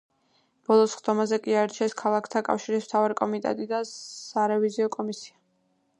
ბოლო სხდომაზე კი აირჩიეს „ქალაქთა კავშირის“ მთავარი კომიტეტი და სარევიზიო კომისია.